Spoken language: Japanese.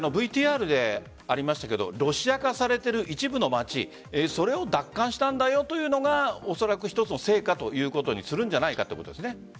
ＶＴＲでありましたがロシア化されている一部の街それを奪還したんだよというのがおそらく一つの成果ということにするんじゃないかということですね。